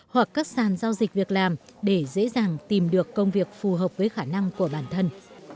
hoặc các sàn giao dịch việc làm để dễ dàng tìm được công việc phù hợp với khả năng của bản thân